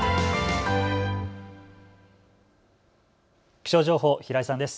気象情報、平井さんです。